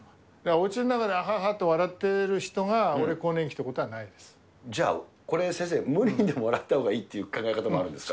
おうちの中で、あははと笑っている人が俺、更年期ってことはないじゃあ、これ、先生、無理に笑ったほうがいいっていう考え方もあるんですか。